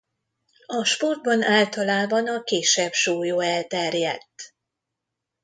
A sportban általában a kisebb súlyú elterjedt.